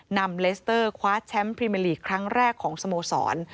นำเลสเตอร์คว้าแชมป์พรีเมอร์ลีกครั้งแรกของสโมสร